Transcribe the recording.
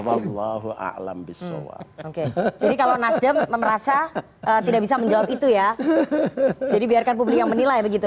jadi kalau nasdem merasa tidak bisa menjawab itu ya jadi biarkan publik yang menilai begitu